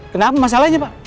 kenapa masalahnya pak